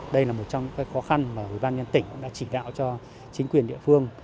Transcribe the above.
đây là một trong những khó khăn mà ủy ban nhân tỉnh đã chỉ đạo cho chính quyền địa phương